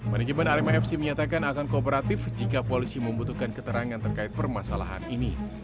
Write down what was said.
manajemen arema fc menyatakan akan kooperatif jika polisi membutuhkan keterangan terkait permasalahan ini